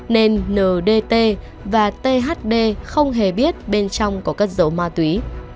nên ndt và thd không hề biết bên trong có cất dấu ma túy